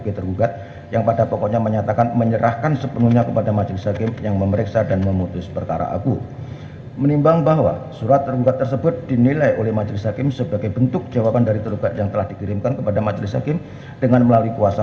pertama penggugat akan menerjakan waktu yang cukup untuk menerjakan si anak anak tersebut yang telah menjadi ilustrasi